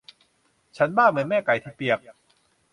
ฉันบ้าเหมือนแม่ไก่ที่เปียก